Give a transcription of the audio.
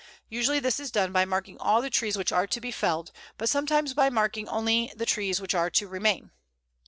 Usually this is done by marking all the trees which are to be felled, but sometimes by marking only the trees which are to remain.